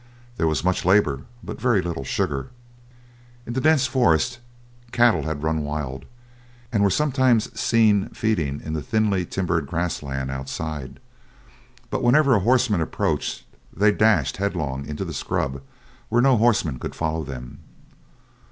There was much labour, but very little sugar. In the dense forest, cattle had run wild, and were sometimes seen feeding in the thinly timbered grass land outside; but whenever a horseman approached they dashed headlong into the scrub where no horseman could follow them.